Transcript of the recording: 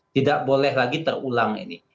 tidak boleh lagi terulang ini